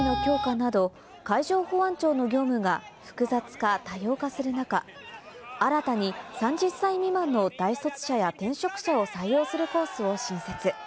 しかし、海上警備の強化など海上保安庁の業務が複雑化、多様化する中、新たに３０歳未満の大卒者や転職所を採用するコースを新設。